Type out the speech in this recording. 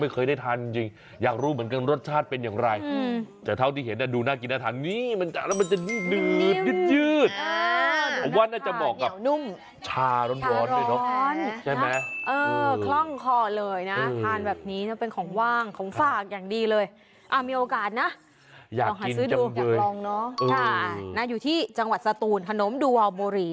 เคยได้ทานจริงอย่างรูปเหมือนกันรสชาติเป็นอย่างไรอืมแต่เท่าที่เห็นเนี้ยดูน่ากินน่าทานนี่มันจะแล้วมันจะดื้มดื้มยืดยืดอ่าว่าน่าจะเหมาะกับเงียวนุ่มชาร้อนใช่ไหมเออคล่องคอเลยนะอืมทานแบบนี้เนี้ยเป็นของว่างของฝากอย่างดีเลยอ่ามีโอกาสนะอยากกินอยากลองเนอะเออน่าอยู่ที่จังหวั